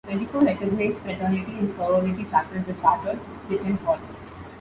Twenty-four recognized fraternity and sorority chapters are chartered at Seton Hall.